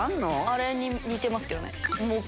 あれに似てますけどね。